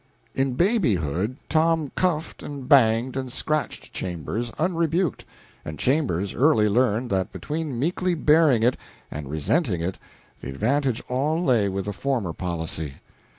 In babyhood Tom cuffed and banged and scratched Chambers unrebuked, and Chambers early learned that between meekly bearing it and resenting it, the advantage all lay with the former policy.